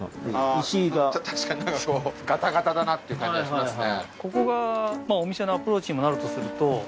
石が確かになんかこうガタガタだなっていう感じがしますね